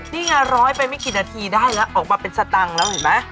นี่ไงร้อยไปไม่กี่นาทีได้แล้วออกมาเป็นสตังค์แล้วเห็นไหม